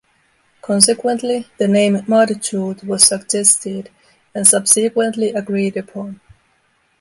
Consequently, the name Mudchute was suggested and subsequently agreed upon.